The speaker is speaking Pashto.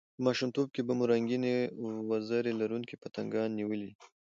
په ماشومتوب کښي به مو رنګین وزر لرونکي پتنګان نیولي يي!